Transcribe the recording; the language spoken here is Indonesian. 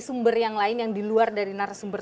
sumber yang lain yang diluar dari narasumber